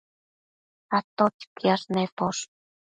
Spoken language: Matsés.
¿atotsi quiash neposh?